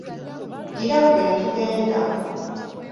Gira ggwe ne tugenda.